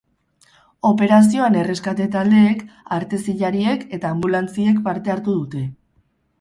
Operazioan erreskate taldeek, artezilariek eta anbulantziek parte hartu dute.